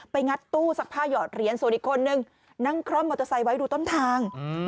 งัดตู้ซักผ้าหยอดเหรียญส่วนอีกคนนึงนั่งคร่อมมอเตอร์ไซค์ไว้ดูต้นทาง